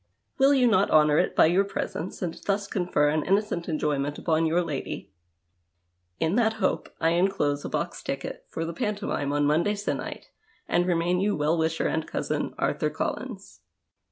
Will you not honour it by your presence and thus confer an innocent enjoyment upon your lady ? In that hope, I enclose a box 89 PASTICHE AND PREJUDICE ticket for the pantomime on Monday se'nnight and remain you well wisher and cousin, " Arthur Collins."